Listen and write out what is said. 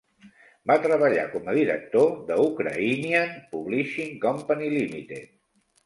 Va treballar com a director de Ukrainian Publishing Company, Limited.